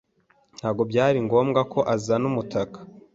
Ntabwo byari ngombwa ko azana umutaka.